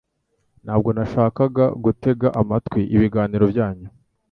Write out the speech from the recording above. Ntabwo nashakaga gutega amatwi ibiganiro byanyu